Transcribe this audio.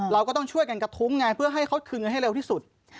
เราก็ต้องช่วยกันกระทุ้งไงเพื่อให้เขาคืนเงินให้เร็วที่สุด